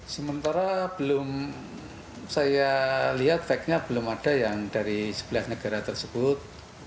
sementara belum saya lihat factnya belum ada yang dari sebelas negara tersebut